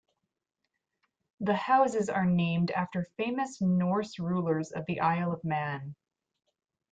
The houses are named after famous Norse rulers of the Isle of Man.